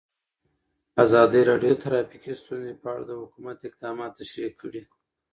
ازادي راډیو د ټرافیکي ستونزې په اړه د حکومت اقدامات تشریح کړي.